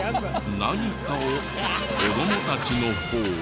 何かを子どもたちの方へ。